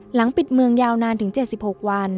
หลังปิดเมืองยาวนานถึง๗๖วัน